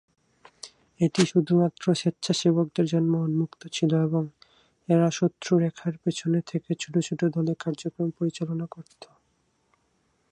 এটি শুধুমাত্র স্বেচ্ছাসেবকদের জন্য উন্মুক্ত ছিল এবং এরা শত্রু রেখার পেছনে থেকে ছোট ছোট দলে কার্যক্রম পরিচালনা করত।